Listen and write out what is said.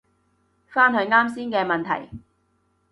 返去啱先嘅問題